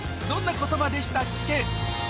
どんな言葉でしたっけ？